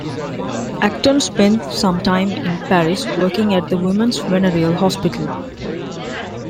Acton spent some time in Paris working at the women's venereal hospital.